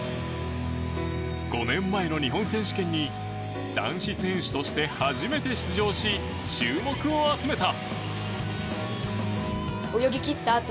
５年前の日本選手権に男子選手として初めて出場し注目を集めた。